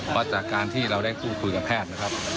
เพราะจากการที่เราได้พูดคุยกับแพทย์นะครับ